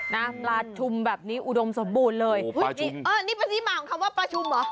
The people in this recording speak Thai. น้ำปลาชุมแบบนี้อุดมสมบูรณ์เลยโหปลาชุมเออนี่ประสิทธิ์มาของคำว่าปลาชุมเหรอ